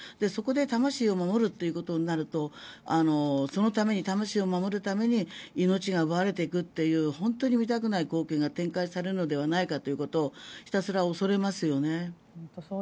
そこで魂を守るということになるとそのために魂を守るために命が奪われていくという本当に見たくない光景が展開されるのではないかということをひたすら恐れますよね。